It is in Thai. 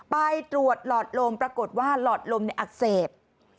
ไปตรวจหลอดลมปรากฏว่าหลอดลมอักเสบ